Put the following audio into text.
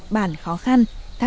bản khó khăn